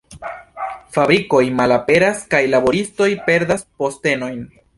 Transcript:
Fabrikoj malaperas kaj laboristoj perdas postenojn.